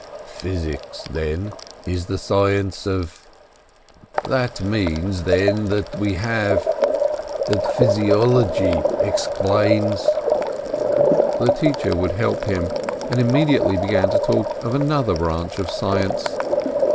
"Physics, then, is the science of —" "That means, then, that we have here — that physiology explains —" The teacher would help him, and then immediately begin to talk of another branch of science.